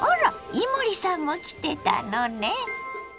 伊守さんも来てたのね。